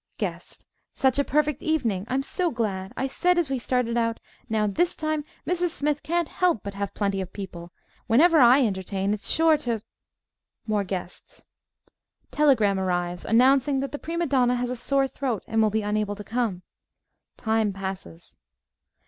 GUEST Such a perfect evening! I'm so glad. I said as we started out, "Now, this time, Mrs. Smythe can't help but have plenty of people. Whenever I entertain, it's sure to " (More guests.) (_Telegram arrives, announcing that the prima donna has a sore throat, and will be unable to come. Time passes.